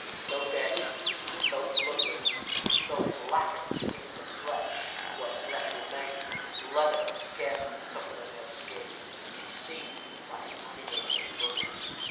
So dead, so bloodless, so blackened seemed the flesh, where flesh remained, leather could scarce be tougher than her skin. She seemed like an animated mummy.